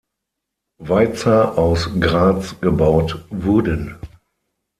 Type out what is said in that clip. Weitzer aus Graz gebaut wurden.